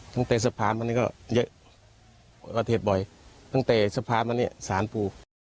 ตั้งแต่สะพานมานี่ก็เยอะอุบัติเหตุบ่อยตั้งแต่สะพานมาเนี่ยสารปู่